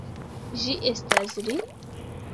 Ĝi estas li!